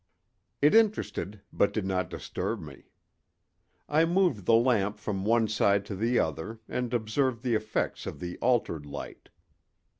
It interested but did not disturb me. I moved the lamp from one side to the other and observed the effects of the altered light.